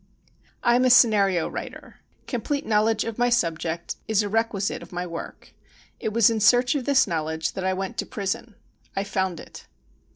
I am a scenario writer. Complete knowledge of my subject is a requisite of my work. It was in search of this knowledge that I went to prison. I found it.